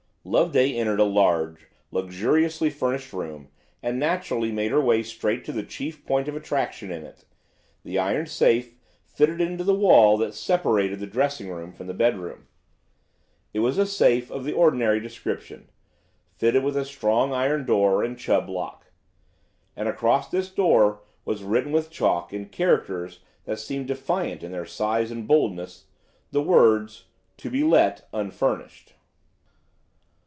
Loveday entered a large, luxuriously furnished room, and naturally made her way straight to the chief point of attraction in it–the iron safe fitted into the wall that separated the dressing room from the bedroom. It was a safe of the ordinary description, fitted with a strong iron door and Chubb lock. And across this door was written with chalk in characters that seemed defiant in their size and boldness, the words: "To be let, unfurnished." "TO BE LET, UNFURNISHED."